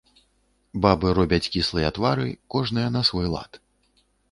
Бабы робяць кіслыя твары, кожная на свой лад.